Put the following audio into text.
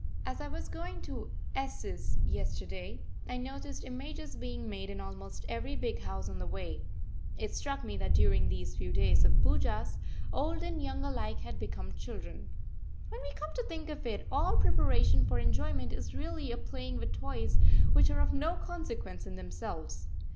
As I was going to S 's yesterday, I noticed images being made in almost every big house on the way. It struck me that during these few days of the Poojahs, old and young alike had become children. When we come to think of it, all preparation for enjoyment is really a playing with toys which are of no consequence in themselves.